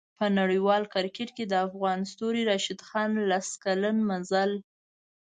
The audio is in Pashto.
په نړیوال کریکټ کې د افغان ستوري راشد خان لس کلن مزل